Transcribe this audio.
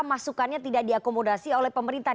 masukannya tidak diakomodasi oleh pemerintah